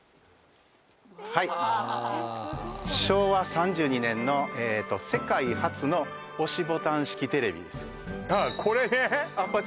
はい昭和３２年の世界初の押しボタン式テレビですああ